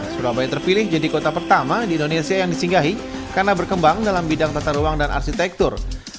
surabaya terpilih jadi kota pertama di indonesia yang disinggahi karena berkembang dalam bidang tata ruang dan arsitektur